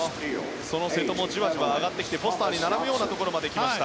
その瀬戸もじわじわ上がってきてフォスターに並ぶところまで来ました。